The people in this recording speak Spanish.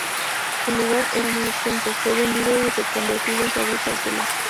El lugar, que era muy extenso, fue vendido y reconvertido en fábrica de telas.